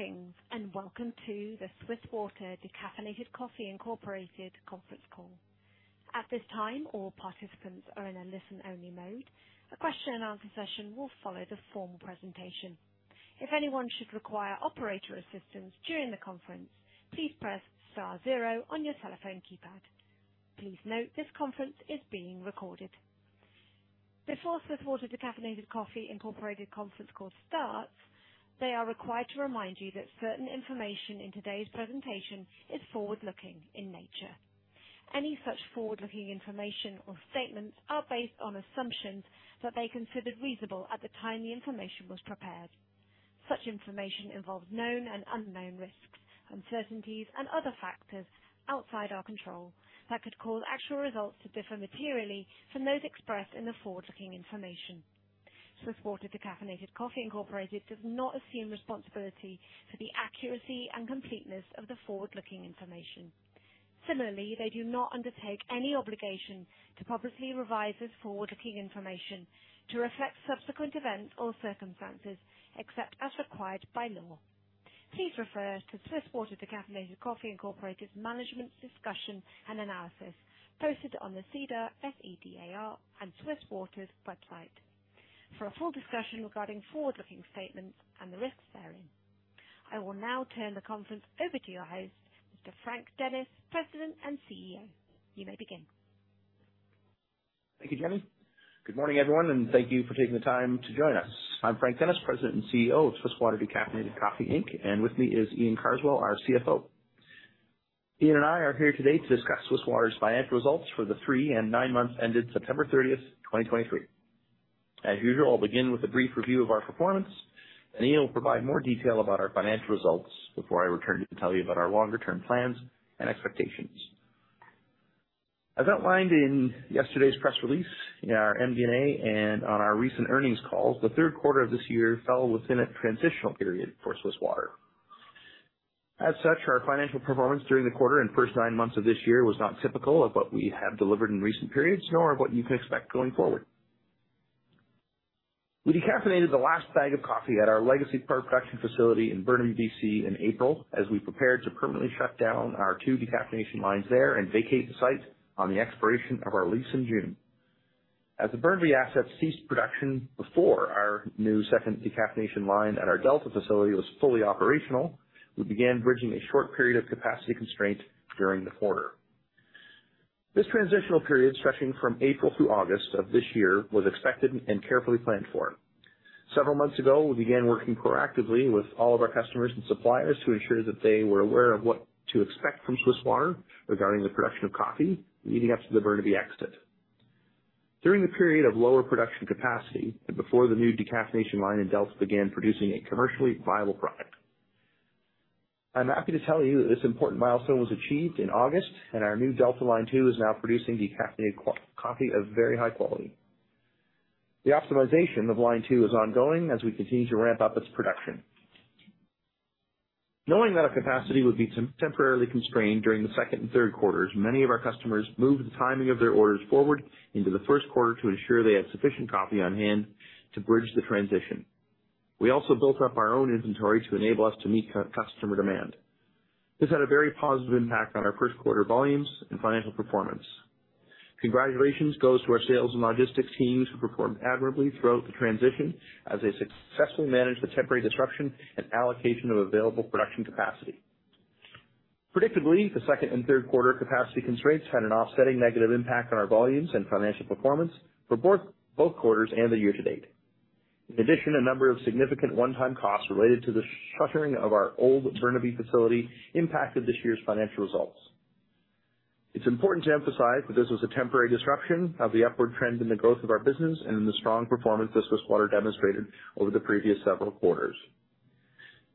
Greetings, and welcome to the Swiss Water Decaffeinated Coffee Incorporated Conference Call. At this time, all participants are in a listen-only mode. A question and answer session will follow the formal presentation. If anyone should require operator assistance during the conference, please press star zero on your telephone keypad. Please note, this conference is being recorded. Before Swiss Water Decaffeinated Coffee Incorporated conference call starts, they are required to remind you that certain information in today's presentation is forward-looking in nature. Any such forward-looking information or statements are based on assumptions that they considered reasonable at the time the information was prepared. Such information involves known and unknown risks, uncertainties, and other factors outside our control that could cause actual results to differ materially from those expressed in the forward-looking information. Swiss Water Decaffeinated Coffee Incorporated does not assume responsibility for the accuracy and completeness of the forward-looking information. Similarly, they do not undertake any obligation to publicly revise this forward-looking information to reflect subsequent events or circumstances, except as required by law. Please refer to Swiss Water Decaffeinated Coffee Incorporated's Management's Discussion and Analysis posted on the SEDAR, S-E-D-A-R, and Swiss Water's website for a full discussion regarding forward-looking statements and the risks therein. I will now turn the conference over to your host, Mr. Frank Dennis, President and CEO. You may begin. Thank you, Jenny. Good morning, everyone, and thank you for taking the time to join us. I'm Frank Dennis, President and CEO of Swiss Water Decaffeinated Coffee Inc., and with me is Iain Carswell, our CFO. Iain and I are here today to discuss Swiss Water's financial results for the three and nine months ended September 30th, 2023. As usual, I'll begin with a brief review of our performance, and Iain will provide more detail about our financial results before I return to tell you about our longer-term plans and expectations. As outlined in yesterday's press release, in our MD&A, and on our recent earnings calls, the third quarter of this year fell within a transitional period for Swiss Water. As such, our financial performance during the quarter and first nine months of this year was not typical of what we have delivered in recent periods, nor of what you can expect going forward. We decaffeinated the last bag of coffee at our legacy production facility in Burnaby, BC, in April, as we prepared to permanently shut down our two decaffeination lines there and vacate the site on the expiration of our lease in June. As the Burnaby asset ceased production before our new second decaffeination line at our Delta facility was fully operational, we began bridging a short period of capacity constraint during the quarter. This transitional period, stretching from April through August of this year, was expected and carefully planned for. Several months ago, we began working proactively with all of our customers and suppliers to ensure that they were aware of what to expect from Swiss Water regarding the production of coffee leading up to the Burnaby exit. During the period of lower production capacity and before the new decaffeination line in Delta began producing a commercially viable product. I'm happy to tell you that this important milestone was achieved in August, and our new Delta Line 2 is now producing decaffeinated coffee of very high quality. The optimization of Line 2 is ongoing as we continue to ramp up its production. Knowing that our capacity would be temporarily constrained during the second and third quarters, many of our customers moved the timing of their orders forward into the first quarter to ensure they had sufficient coffee on hand to bridge the transition. We also built up our own inventory to enable us to meet customer demand. This had a very positive impact on our first quarter volumes and financial performance. Congratulations goes to our sales and logistics teams, who performed admirably throughout the transition as they successfully managed the temporary disruption and allocation of available production capacity. Predictably, the second and third quarter capacity constraints had an offsetting negative impact on our volumes and financial performance for both quarters and the year to date. In addition, a number of significant one-time costs related to the shuttering of our old Burnaby facility impacted this year's financial results. It's important to emphasize that this was a temporary disruption of the upward trend in the growth of our business and in the strong performance that Swiss Water demonstrated over the previous several quarters.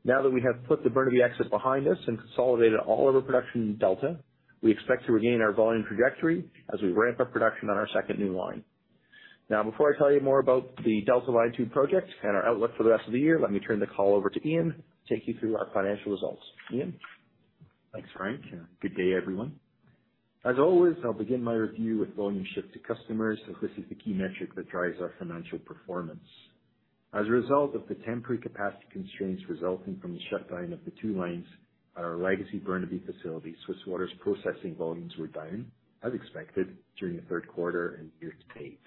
Now that we have put the Burnaby exit behind us and consolidated all of our production in Delta, we expect to regain our volume trajectory as we ramp up production on our second new line. Now, before I tell you more about the Delta Line 2 project and our outlook for the rest of the year, let me turn the call over to Iain to take you through our financial results. Iain? Thanks, Frank, and good day, everyone. As always, I'll begin my review with volume shipped to customers, as this is the key metric that drives our financial performance. As a result of the temporary capacity constraints resulting from the shutdown of the two lines at our legacy Burnaby facility, Swiss Water's processing volumes were down, as expected, during the third quarter and year to date.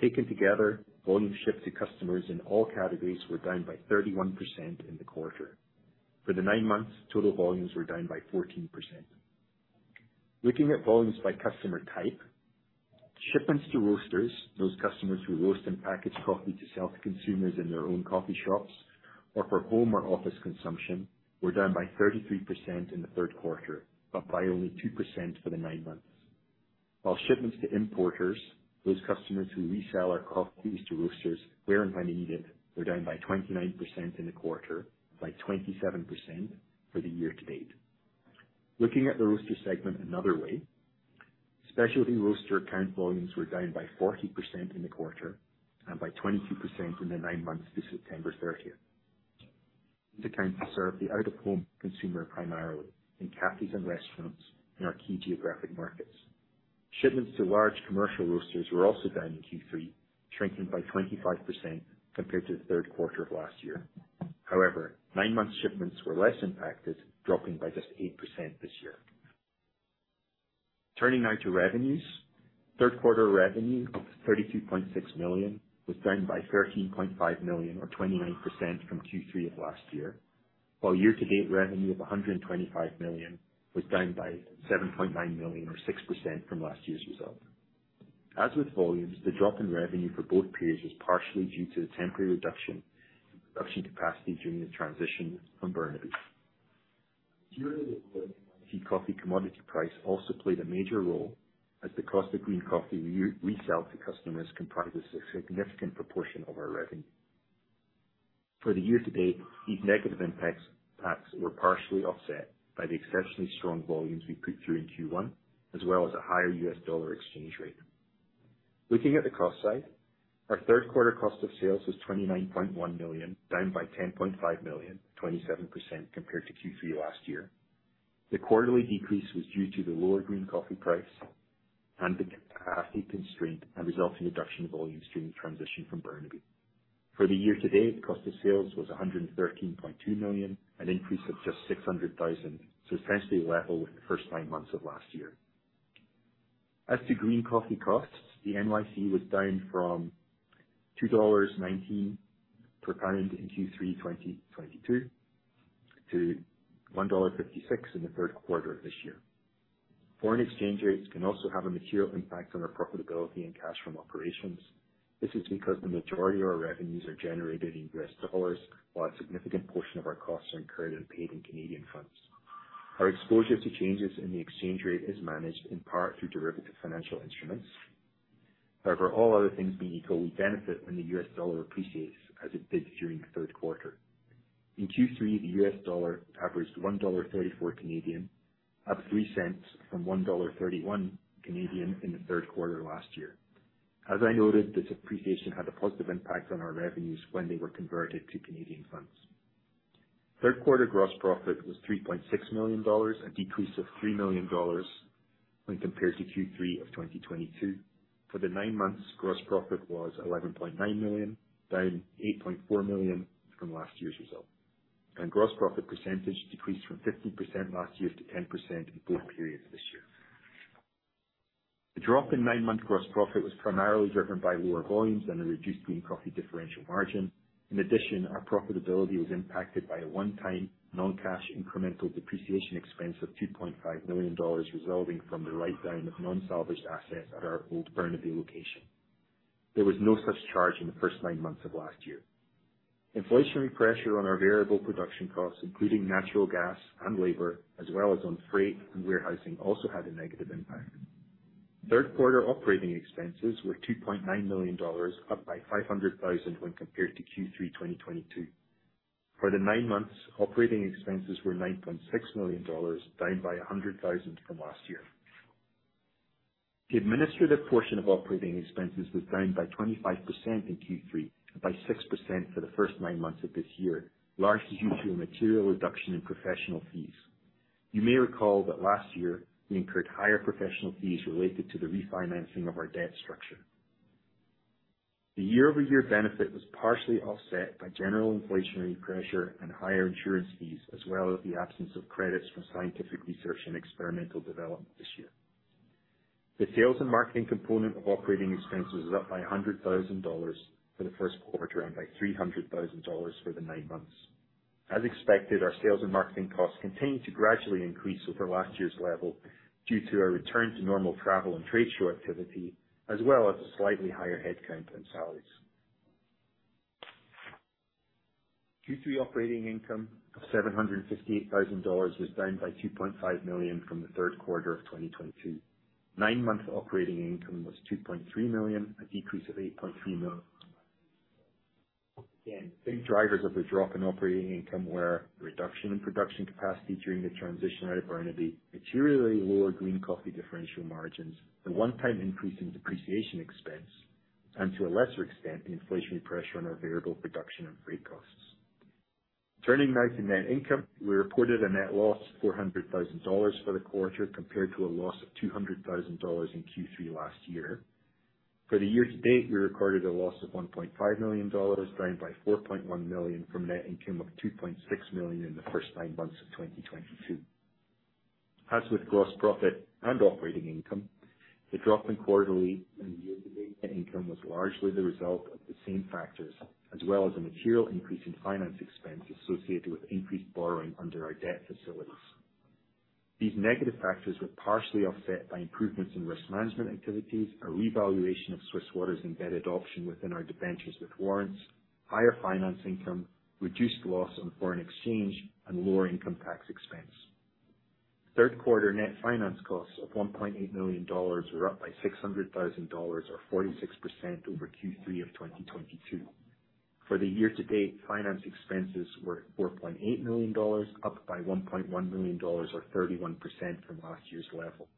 Taken together, volumes shipped to customers in all categories were down by 31% in the quarter. For the nine months, total volumes were down by 14%. Looking at volumes by customer type, shipments to roasters, those customers who roast and package coffee to sell to consumers in their own coffee shops or for home or office consumption, were down by 33% in the third quarter, but by only 2% for the nine months. While shipments to importers, those customers who resell our coffees to roasters where and when needed, were down by 29% in the quarter, by 27% for the year to date. Looking at the roaster segment another way, specialty roaster account volumes were down by 40% in the quarter and by 22% in the nine months to September 30th. These accounts serve the out-of-home consumer, primarily in cafes and restaurants in our key geographic markets, shipments to large commercial roasters were also down in Q3, shrinking by 25% compared to the third quarter of last year. However, nine-month shipments were less impacted, dropping by just 8% this year. Turning now to revenues. Third quarter revenue of $32.6 million was down by $13.5 million, or 29% from Q3 of last year, while year-to-date revenue of $125 million was down by $7.9 million, or 6% from last year's result. As with volumes, the drop in revenue for both periods was partially due to the temporary reduction in production capacity during the transition from Burnaby. During the quarter, coffee commodity price also played a major role as the cost of green coffee we sell to customers comprises a significant proportion of our revenue. For the year to date, these negative impacts were partially offset by the exceptionally strong volumes we put through in Q1, as well as a higher U.S. dollar exchange rate. Looking at the cost side, our third quarter cost of sales was 29.1 million, down by 10.5 million, 27% compared to Q3 last year. The quarterly decrease was due to the lower green coffee price and the capacity constraint and resulting reduction in volumes during the transition from Burnaby. For the year to date, cost of sales was 113.2 million, an increase of just 600,000, so essentially level with the first nine months of last year. As to green coffee costs, the NY 'C' was down from $2.19 per pound in Q3, 2022 to $1.56 in the third quarter of this year. Foreign exchange rates can also have a material impact on our profitability and cash from operations. This is because the majority of our revenues are generated in U.S. dollars, while a significant portion of our costs are incurred and paid in Canadian funds. Our exposure to changes in the exchange rate is managed in part through derivative financial instruments. However, all other things being equal, we benefit when the U.S. dollar appreciates, as it did during the third quarter. In Q3, the U.S. dollar averaged 1.34 Canadian, up 3 cents from 1.31 Canadian in the third quarter last year. As I noted, this appreciation had a positive impact on our revenues when they were converted to Canadian funds. Third quarter gross profit was 3.6 million dollars, a decrease of 3 million dollars when compared to Q3 of 2022. For the nine months, gross profit was 11.9 million, down 8.4 million from last year's result. Gross profit percentage decreased from 15% last year to 10% in both periods this year. The drop in 9-month gross profit was primarily driven by lower volumes and a reduced green coffee differential margin. In addition, our profitability was impacted by a one-time non-cash incremental depreciation expense of 2.5 million dollars, resulting from the write-down of non-salvaged assets at our old Burnaby location. There was no such charge in the first 9 months of last year. Inflationary pressure on our variable production costs, including natural gas and labor, as well as on freight and warehousing, also had a negative impact. Third quarter operating expenses were 2.9 million dollars, up by 500,000 when compared to Q3 2022. For the 9 months, operating expenses were 9.6 million dollars, down by 100,000 from last year. The administrative portion of operating expenses was down by 25% in Q3 and by 6% for the first nine months of this year, largely due to a material reduction in professional fees. You may recall that last year we incurred higher professional fees related to the refinancing of our debt structure. The year-over-year benefit was partially offset by general inflationary pressure and higher insurance fees, as well as the absence of credits from Scientific Research and Experimental Development this year. The sales and marketing component of operating expenses was up by 100,000 dollars for the first quarter and by 300,000 dollars for the nine months. As expected, our sales and marketing costs continued to gradually increase over last year's level due to a return to normal travel and trade show activity, as well as a slightly higher headcount and salaries. Q3 operating income of 758,000 dollars was down by 2.5 million from the third quarter of 2022. 9-month operating income was 2.3 million, a decrease of 8.3 million. Again, big drivers of the drop in operating income were a reduction in production capacity during the transition out of Burnaby, materially lower green coffee differential margins, a one-time increase in depreciation expense, and to a lesser extent, inflationary pressure on our variable production and freight costs. Turning now to net income. We reported a net loss of 400,000 dollars for the quarter, compared to a loss of 200,000 dollars in Q3 last year. For the year to date, we recorded a loss of 1.5 million dollars, down by 4.1 million from net income of 2.6 million in the first 9 months of 2022. As with gross profit and operating income, the drop in quarterly and year-to-date net income was largely the result of the same factors, as well as a material increase in finance expense associated with increased borrowing under our debt facilities. These negative factors were partially offset by improvements in risk management activities, a revaluation of Swiss Water's embedded option within our debentures with warrants, higher finance income, reduced loss on foreign exchange, and lower income tax expense. Third quarter net finance costs of 1.8 million dollars were up by 600,000 dollars, or 46% over Q3 of 2022. For the year to date, finance expenses were 4.8 million dollars, up by 1.1 million dollars, or 31% from last year's level.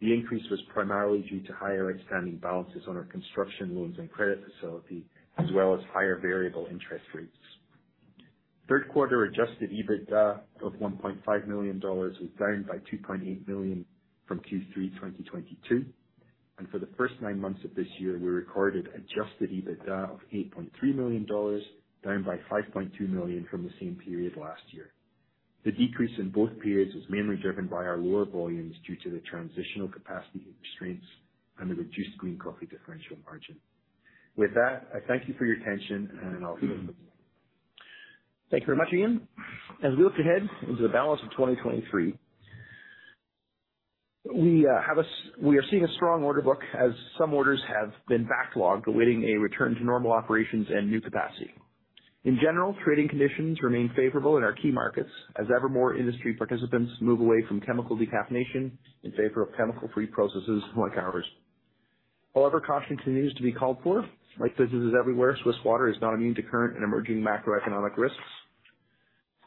The increase was primarily due to higher outstanding balances on our construction loans and credit facility, as well as higher variable interest rates. Third quarter Adjusted EBITDA of 1.5 million dollars was down by 2.8 million from Q3 2022, and for the first nine months of this year, we recorded Adjusted EBITDA of 8.3 million dollars, down by 5.2 million from the same period last year. The decrease in both periods was mainly driven by our lower volumes due to the transitional capacity constraints and the reduced green coffee differential margin. With that, I thank you for your attention, and I'll turn it over to Iain. Thank you very much, Iain. As we look ahead into the balance of 2023, we are seeing a strong order book, as some orders have been backlogged, awaiting a return to normal operations and new capacity. In general, trading conditions remain favorable in our key markets as ever more industry participants move away from chemical decaffeination in favor of chemical-free processes like ours. However, caution continues to be called for. Like businesses everywhere, Swiss Water is not immune to current and emerging macroeconomic risks.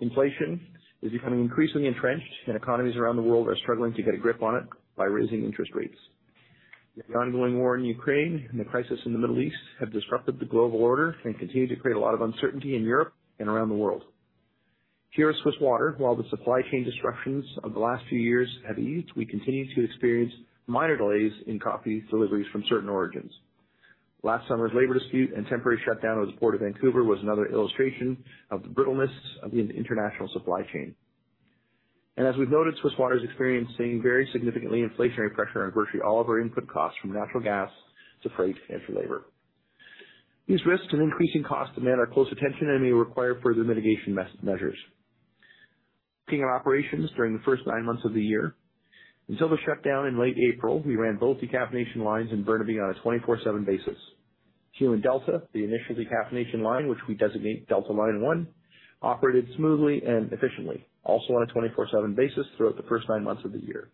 Inflation is becoming increasingly entrenched, and economies around the world are struggling to get a grip on it by raising interest rates. The ongoing war in Ukraine and the crisis in the Middle East have disrupted the global order and continue to create a lot of uncertainty in Europe and around the world. Here at Swiss Water, while the supply chain disruptions of the last few years have eased, we continue to experience minor delays in coffee deliveries from certain origins. Last summer's labor dispute and temporary shutdown of the Port of Vancouver was another illustration of the brittleness of the international supply chain. As we've noted, Swiss Water is experiencing very significantly inflationary pressure on virtually all of our input costs, from natural gas to freight and to labor. These risks and increasing costs demand our close attention and may require further mitigation measures. Looking at operations during the first nine months of the year, until the shutdown in late April, we ran both decaffeination lines in Burnaby on a 24/7 basis. At Delta, the initial decaffeination line, which we designate Delta Line 1, operated smoothly and efficiently, also on a 24/7 basis throughout the first nine months of the year.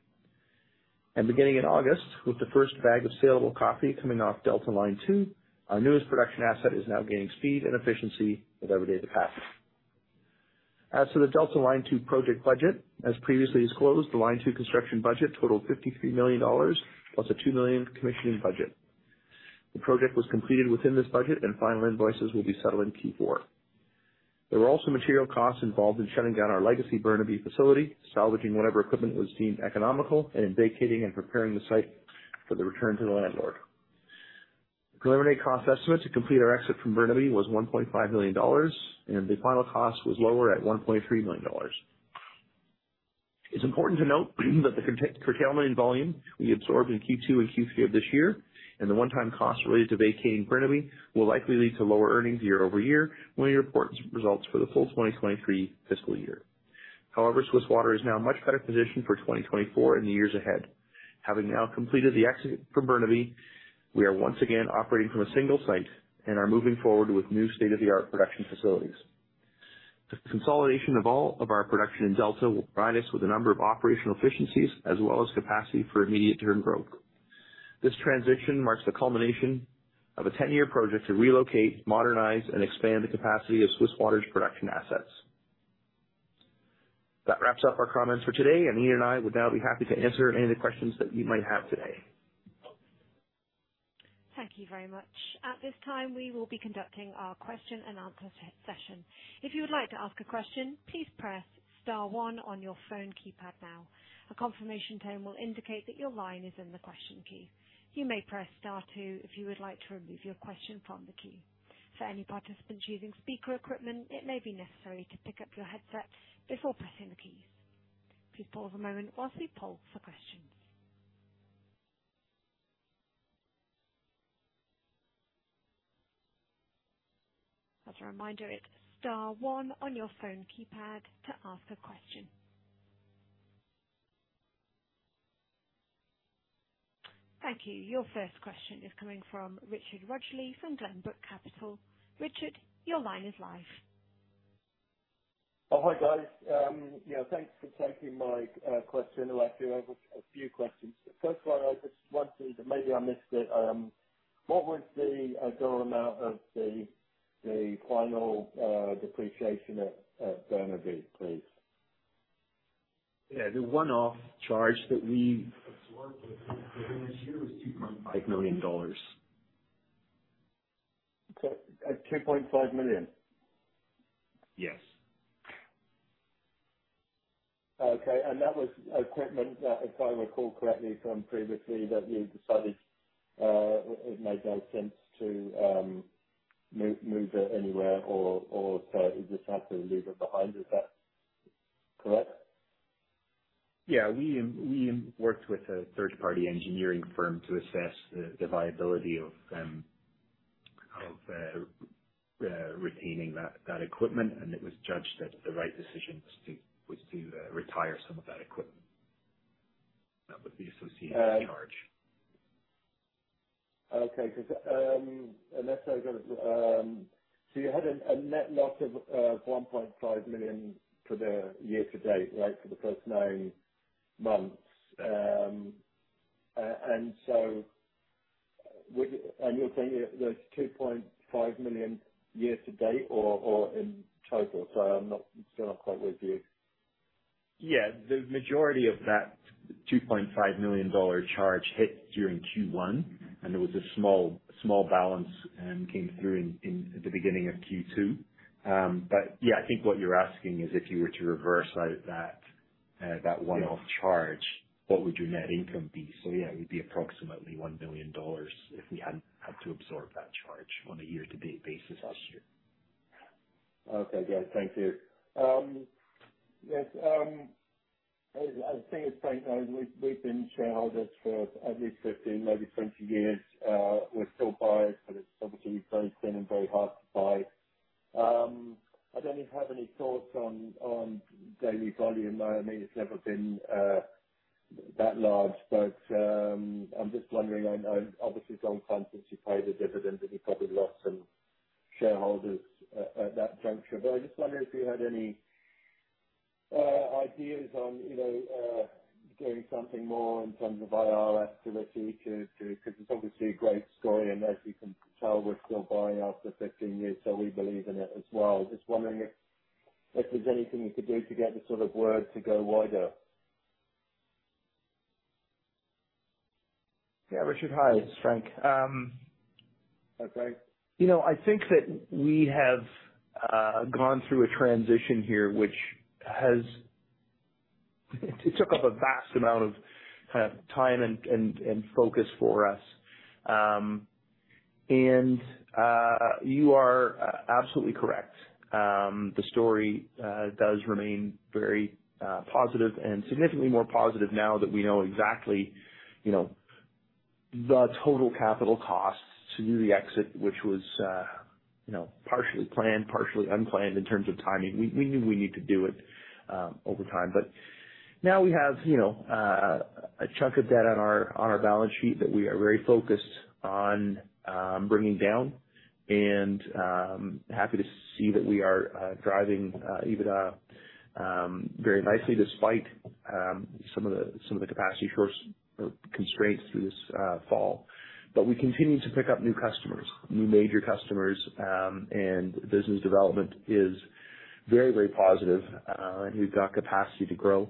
Beginning in August, with the first bag of salable coffee coming off Delta Line 2, our newest production asset is now gaining speed and efficiency with every day that passes. As to the Delta Line 2 project budget, as previously disclosed, the Line 2 construction budget totaled 53 million dollars, -2 million commissioning budget. The project was completed within this budget, and final invoices will be settled in Q4. There were also material costs involved in shutting down our legacy Burnaby facility, salvaging whatever equipment was deemed economical, and in vacating and preparing the site for the return to the landlord. The preliminary cost estimate to complete our exit from Burnaby was 1.5 million dollars, and the final cost was lower at 1.3 million dollars. It's important to note that the curtailment in volume we absorbed in Q2 and Q3 of this year, and the one-time costs related to vacating Burnaby, will likely lead to lower earnings year-over-year when we report results for the full 2023 fiscal year. However, Swiss Water is now much better positioned for 2024 and the years ahead. Having now completed the exit from Burnaby, we are once again operating from a single site and are moving forward with new state-of-the-art production facilities. The consolidation of all of our production in Delta will provide us with a number of operational efficiencies as well as capacity for immediate term growth. This transition marks the culmination of a 10-year project to relocate, modernize, and expand the capacity of Swiss Water's production assets. That wraps up our comments for today, and Ian and I would now be happy to answer any of the questions that you might have today. Thank you very much. At this time, we will be conducting our question-and-answer session. If you would like to ask a question, please press star one on your phone keypad now. A confirmation tone will indicate that your line is in the question queue. You may press star two if you would like to remove your question from the queue. For any participants using speaker equipment, it may be necessary to pick up your headset before pressing the keys. Please pause a moment while we poll for questions. As a reminder, it's star one on your phone keypad to ask a question. Thank you. Your first question is coming from Richard Rudgley from Glenbrook Capital. Richard, your line is live. Oh, hi, guys. Yeah, thanks for taking my question. Well, actually, I have a few questions. The first one I just wanted to... Maybe I missed it. What was the dollar amount of the final depreciation at Burnaby, please? Yeah, the one-off charge that we worked with during this year was $2.5 million. At 2.5 million? Yes. Okay, and that was equipment, if I recall correctly from previously, that you decided it made no sense to move it anywhere or so you just had to leave it behind. Is that correct? Yeah, we worked with a third-party engineering firm to assess the viability of retaining that equipment, and it was judged that the right decision was to retire some of that equipment. That would be associated with the charge. Okay, let's say, so you had a net loss of 1.5 million for the year to date, right? For the first nine months. And so you're saying that's 2.5 million year to date or in total? So I'm not, still not quite with you. Yeah, the majority of that 2.5 million dollar charge hit during Q1, and there was a small, small balance came through in the beginning of Q2. But yeah, I think what you're asking is if you were to reverse out that that one-off charge, what would your net income be? So yeah, it would be approximately 1 million dollars if we hadn't had to absorb that charge on a year-to-date basis last year. Okay, great. Thank you. I think it's great. We've been shareholders for at least 15, maybe 20 years. We're still buyers, but it's obviously very thin and very hard to buy. I don't know if you have any thoughts on daily volume. I mean, it's never been that large, but I'm just wondering, I know obviously, long time since you paid a dividend, and you probably lost some shareholders at that juncture. But I just wondered if you had any ideas on, you know, getting something more in terms of IR activity to, Because it's obviously a great story, and as you can tell, we're still buying after 15 years, so we believe in it as well. Just wondering if there's anything you could do to get the sort of word to go wider. Yeah, Richard. Hi, it's Frank. Hi, Frank. You know, I think that we have gone through a transition here, which has. It took up a vast amount of kind of time and focus for us. You are absolutely correct. The story does remain very positive and significantly more positive now that we know exactly, you know, the total capital costs to do the exit, which was, you know, partially planned, partially unplanned in terms of timing. We knew we need to do it over time, but now we have, you know, a chunk of debt on our balance sheet that we are very focused on bringing down, and happy to see that we are driving EBITDA very nicely, despite some of the capacity shorts or constraints through this fall. But we continue to pick up new customers, new major customers, and business development is very, very positive, and we've got capacity to grow.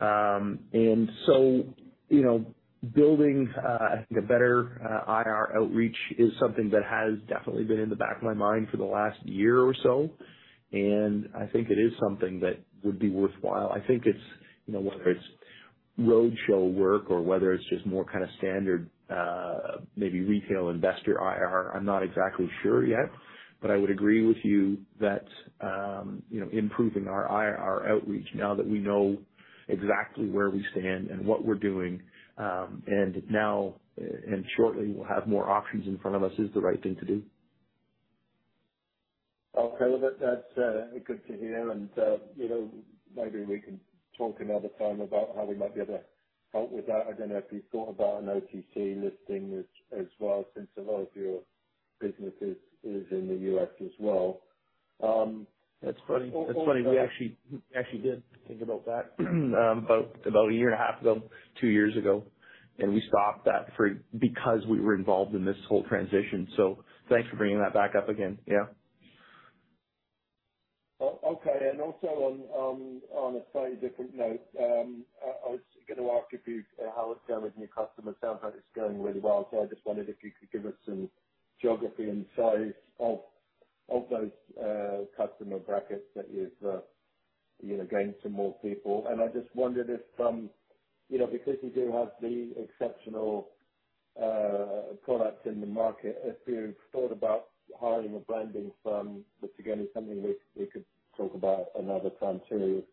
And so, you know, building, I think a better, IR outreach is something that has definitely been in the back of my mind for the last year or so, and I think it is something that would be worthwhile. I think it's, you know, whether it's roadshow work or whether it's just more kind of standard, maybe retail investor IR, I'm not exactly sure yet, but I would agree with you that, you know, improving our IR outreach now that we know exactly where we stand and what we're doing, and now and shortly we'll have more options in front of us, is the right thing to do. Okay, well, that's good to hear. And, you know, maybe we can talk another time about how we might be able to help with that. I don't know if you've thought about an OTC listing as well, since a lot of your business is in the U.S. as well. That's funny, that's funny. We actually, we actually did think about that, about 1.5 years ago, 2 years ago, and we stopped that because we were involved in this whole transition. So thanks for bringing that back up again. Yeah. Okay. And also on a slightly different note,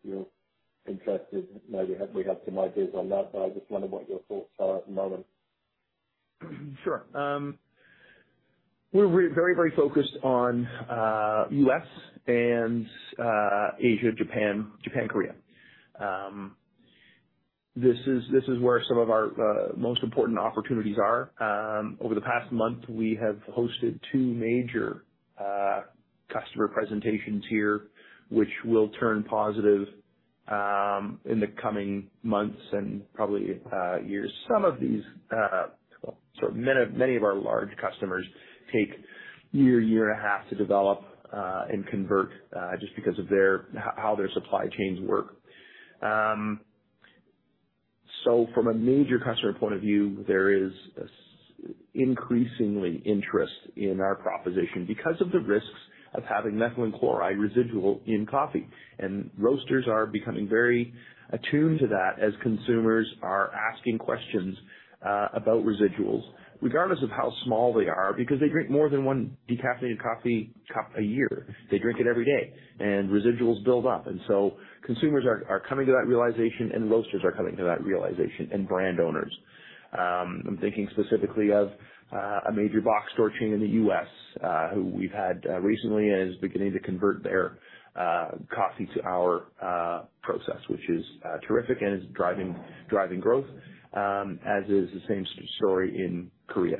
I was gonna ask if you how it's going with new customers. Sounds like it's going really well. So I just wondered if you could give us some geography and size of those customer brackets that you've you know gained some more people. And I just wondered if you know because you do have the exceptional products in the market if you've thought about hiring a branding firm, which again is something we we could talk about another time too if you're interested. Maybe you have, We have some ideas on that, but I just wondered what your thoughts are at the moment. Sure. We're very, very focused on U.S. and Asia, Japan. Japan, Korea. This is, this is where some of our most important opportunities are. Over the past month, we have hosted two major customer presentations here, which will turn positive in the coming months and probably years. Some of these, well, so many, many of our large customers take a year, year and a half to develop and convert just because of their, How their supply chains work. So from a major customer point of view, there is increasingly interest in our proposition because of the risks of having methylene chlorided residual in coffee, and roasters are becoming very attuned to that as consumers are asking questions about residuals, regardless of how small they are, because they drink more than one decaffeinated coffee cup a year. They drink it every day, and residuals build up. And so consumers are coming to that realization, and roasters are coming to that realization, and brand owners. I'm thinking specifically of a major box store chain in the U.S., who we've had recently and is beginning to convert their coffee to our process, which is terrific and is driving growth, as is the same story in Korea.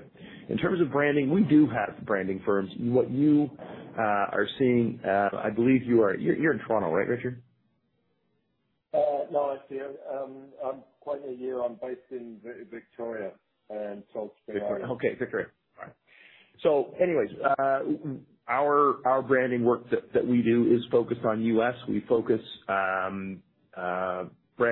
In terms of branding, we do have branding firms. What you are seeing, I believe you are, You're in Toronto, right, Richard? No, I see quite a year. I'm based in Victoria, in Victoria. Okay, Victoria. So anyways, our branding work that we do is focused on U.S. We focus brand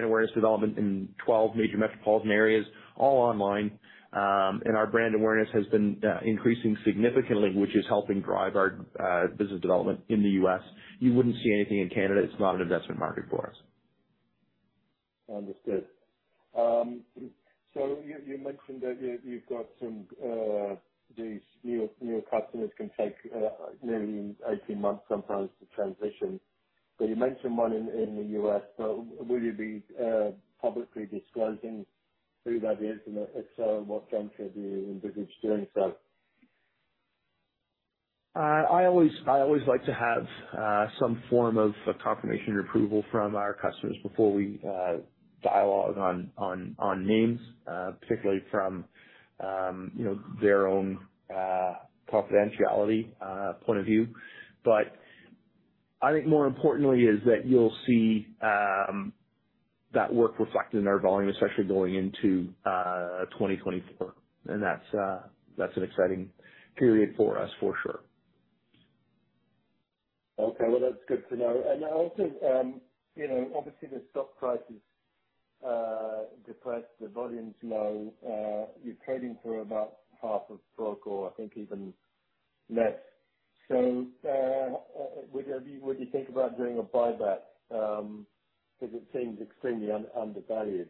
awareness development in 12 major metropolitan areas, all online. And our brand awareness has been increasing significantly, which is helping drive our business development in the U.S. You wouldn't see anything in Canada. It's not an investment market for us. Understood. So you mentioned that you've got some of these new customers can take nearly 18 months sometimes to transition. But you mentioned one in the U.S. So will you be publicly disclosing who that is, and if so, when do you envisage doing so? I always, I always like to have some form of confirmation or approval from our customers before we dialogue on names, particularly from, you know, their own confidentiality point of view. But I think more importantly is that you'll see that work reflected in our volume, especially going into 2024. And that's an exciting period for us for sure. Okay. Well, that's good to know. And also, you know, obviously the stock price is depressed, the volume's low. You're trading for about half of stock or I think even less. So, would you, would you think about doing a buyback? Because it seems extremely undervalued.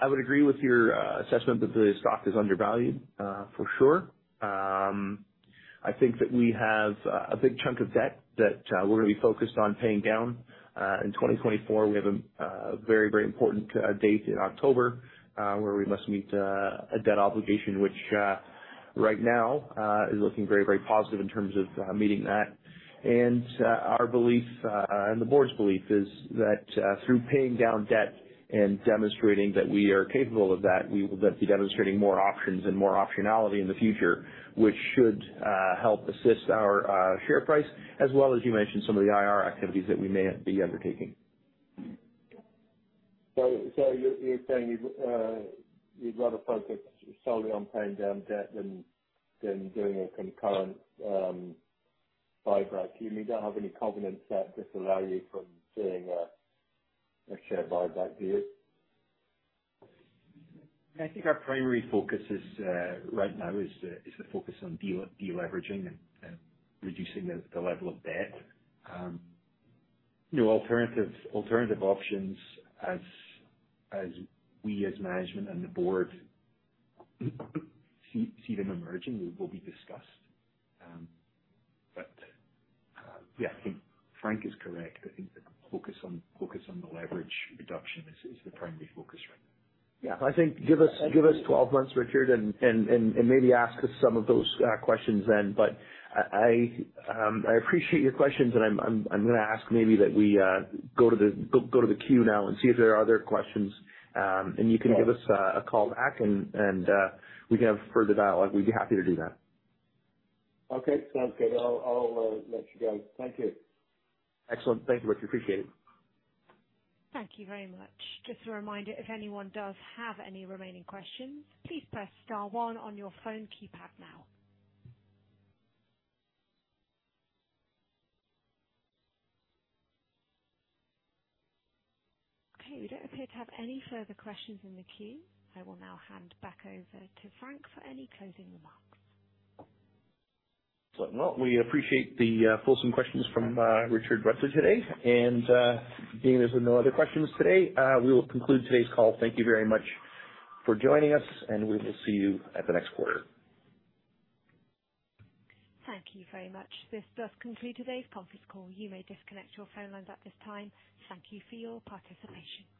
I would agree with your assessment that the stock is undervalued, for sure. I think that we have a big chunk of debt that we're gonna be focused on paying down in 2024. We have a very, very important date in October where we must meet a debt obligation, which right now is looking very, very positive in terms of meeting that. And our belief and the board's belief is that through paying down debt and demonstrating that we are capable of that, we will then be demonstrating more options and more optionality in the future, which should help assist our share price, as well as you mentioned, some of the IR activities that we may be undertaking. So, you're saying you'd rather focus solely on paying down debt than doing a concurrent buyback. You mean you don't have any covenants that disallow you from doing a share buyback, do you? I think our primary focus right now is to focus on deleveraging and reducing the level of debt. You know, alternative options as we, as management and the board see them emerging will be discussed. But yeah, I think Frank is correct. I think the focus on leverage reduction is the primary focus right now. Yeah. I think give us, give us 12 months, Richard, and maybe ask us some of those questions then. But I appreciate your questions, and I'm gonna ask maybe that we go to the queue now and see if there are other questions. And you can give us a call back and we can have further dialogue. We'd be happy to do that. Okay. Sounds good. I'll let you go. Thank you. Excellent. Thank you, Richard. Appreciate it. Thank you very much. Just a reminder, if anyone does have any remaining questions, please press star one on your phone keypad now. Okay, we don't appear to have any further questions in the queue. I will now hand back over to Frank for any closing remarks. So if not, we appreciate the fulsome questions from Richard Rudgley today. And being as there are no other questions today, we will conclude today's call. Thank you very much for joining us, and we will see you at the next quarter. Thank you very much. This does conclude today's conference call. You may disconnect your phone lines at this time. Thank you for your participation.